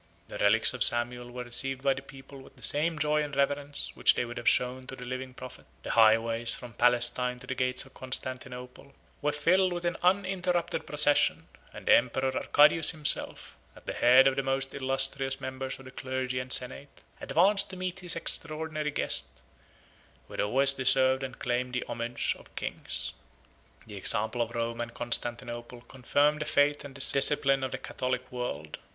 The relics of Samuel were received by the people with the same joy and reverence which they would have shown to the living prophet; the highways, from Palestine to the gates of Constantinople, were filled with an uninterrupted procession; and the emperor Arcadius himself, at the head of the most illustrious members of the clergy and senate, advanced to meet his extraordinary guest, who had always deserved and claimed the homage of kings. 73 The example of Rome and Constantinople confirmed the faith and discipline of the Catholic world.